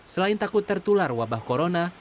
selain takut tertular wabah corona